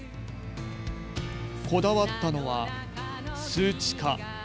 こだわったのは数値化。